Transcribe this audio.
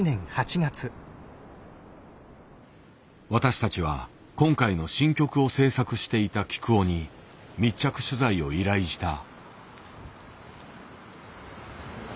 私たちは今回の新曲を制作していたきくおに密着取材を依頼した。